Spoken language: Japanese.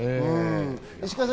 石川さん